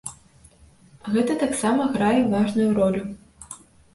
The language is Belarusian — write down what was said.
Гэта таксама грае важную ролю.